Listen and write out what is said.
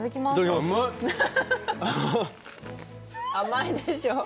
甘い甘いでしょ？